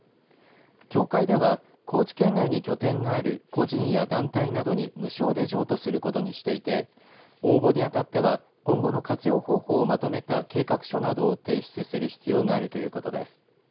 協会では、高知県内に拠点がある個人や団体などに無償で譲渡することにしていて応募にあたっては今後の活用方法をまとめた計画書などを提出する必要があるということです。